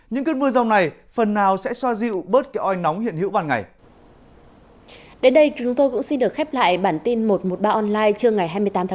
những cơn mưa rông này phần nào sẽ xoa dịu bớt cái oi nóng hiện hữu ban ngày